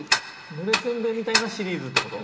◆ぬれせんべいみたいなシリーズってこと？